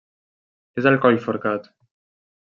És al Coll Forcat.